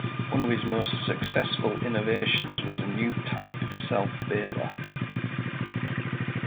One of his most successful innovations was a new type of self-bailer.